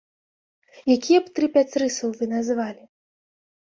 Якія б тры-пяць рысаў вы назвалі?